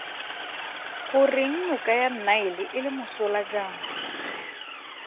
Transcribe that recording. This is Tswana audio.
Goreng noka ya Nile e le mosola jaana?